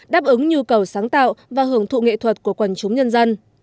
đáp ứng nhu cầu sáng tạo và hưởng thụ nghệ thuật của quần chúng nhân dân